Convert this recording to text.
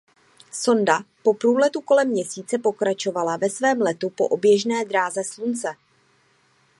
Sonda po průletu kolem Měsíce pokračovala ve svém letu po oběžné dráze Slunce.